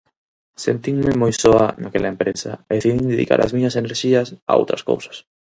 Sentinme moi soa naquela empresa e decidín dedicar as miñas enerxías a outras cousas.